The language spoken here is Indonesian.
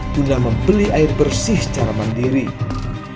guna membeli air bersih secara mandiri